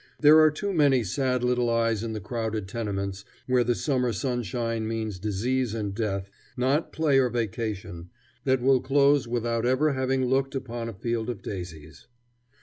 There are too many sad little eyes in the crowded tenements, where the summer sunshine means disease and death, not play or vacation, that will close without ever having looked upon a field of daisies.